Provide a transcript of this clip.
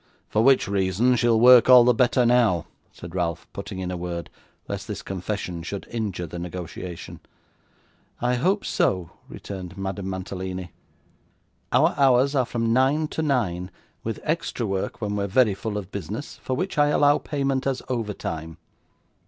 'For which reason she'll work all the better now,' said Ralph, putting in a word, lest this confession should injure the negotiation. 'I hope so,' returned Madame Mantalini; 'our hours are from nine to nine, with extra work when we're very full of business, for which I allow payment as overtime.